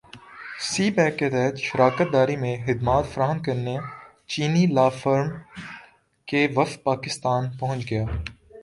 سی pack کے تحت شراکت داری میں خدمات فراہم کرنے چینی لا فرم کا وفد پاکستان پہنچ گیا